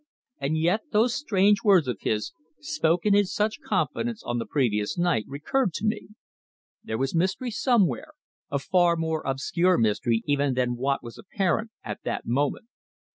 And yet those strange words of his, spoken in such confidence on the previous night, recurred to me. There was mystery somewhere a far more obscure mystery even than what was apparent at that moment.